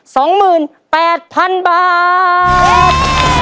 สองหมื่นแปดพันบาท